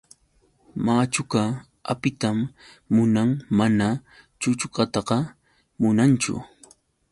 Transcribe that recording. Machuqa apitan munan mana chuchuqataqa munanchu.